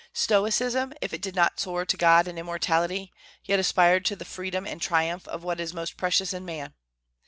Stoicism, if it did not soar to God and immortality, yet aspired to the freedom and triumph of what is most precious in man.